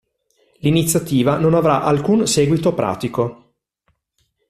L'iniziativa non avrà alcun seguito pratico.